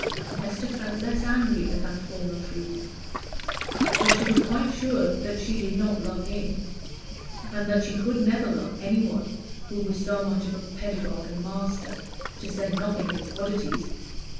Esther felt less angry at that form of freedom; though she was quite sure that she did not love him, and that she could never love any one who was so much of a pedagogue and master, to say nothing of his oddities.